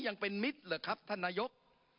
ยังเป็นมิตรเหรอครับท่านนายก